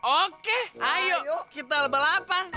oke ayo kita lebar lapar